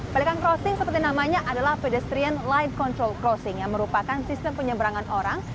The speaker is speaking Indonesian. pelikan crossing seperti namanya adalah pedestrian light control crossing yang merupakan sistem penyeberangan orang